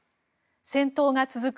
戦闘が続く